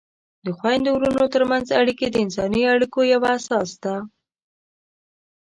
د خویندو ورونو ترمنځ اړیکې د انساني اړیکو یوه اساس ده.